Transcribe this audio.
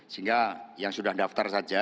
sehingga yang sudah daftar saja